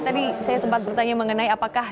tadi saya sempat bertanya mengenai apakah